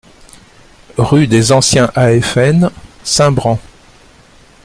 Rue des Anciens AFN, Saint-Branchs